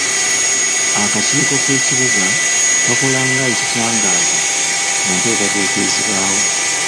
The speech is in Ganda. Akakiiko k'ekibuga kakola nga ekitangaaza mu nteekateeka ezibaawo.